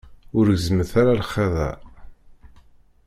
Ur gezzmet ara lxiḍ-a.